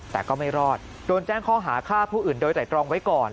แต่ก็ไม่รอดโดนแจ้งข้อหาฆ่าผู้อื่นโดยไตรตรองไว้ก่อน